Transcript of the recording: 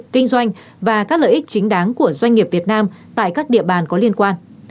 kinh doanh và các lợi ích chính đáng của doanh nghiệp việt nam tại các địa bàn có liên quan